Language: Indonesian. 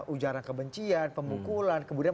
ujaran kebencian pemukulan kemudian